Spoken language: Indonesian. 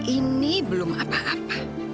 ini belum apa apa